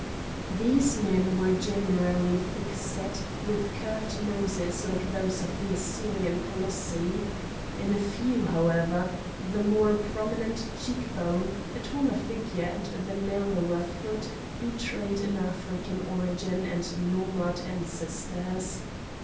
These men were generally thick set, with curved noses like those of the Assyrian colossi. In a few, however, the more prominent cheek bone, the taller figure, and the narrower foot, betrayed an African origin and nomad ancestors.